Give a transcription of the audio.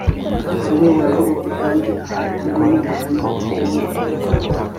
dore buragorobye kandi aha turi ni ahantu hadatuwe ohereza